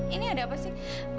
ini ada apa sih